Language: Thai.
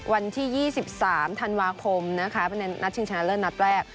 วันที่๒๓ธันวาคมเป็นในนัดชิงชะนาเลอร์นัดแรก